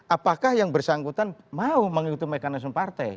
apakah yang bersangkutan mau mengikuti mekanisme partai